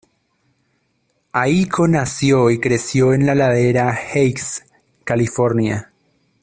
Aiko nació en creció en Ladera Heights, California.